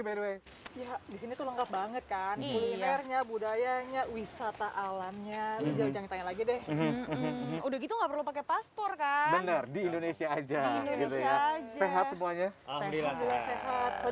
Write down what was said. karena kita tidak boleh meninggalkan jakarta kalau saya tidak terbuka covid sembilan belas